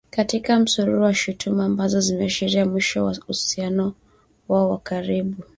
katika msururu wa shutuma ambazo zimeashiria mwisho wa uhusiano wao wa karibu